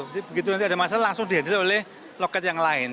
jadi begitu nanti ada masalah langsung di handle oleh loket yang lain